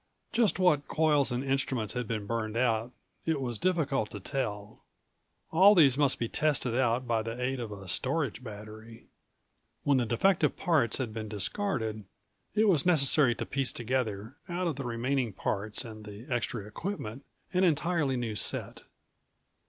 Just what coils and instruments had been burned out it was difficult to tell. All these must be tested out by the aid of a storage battery. When the defective parts had been discarded, it was necessary to piece together, out of the remaining parts and the extra equipment, an entirely new set.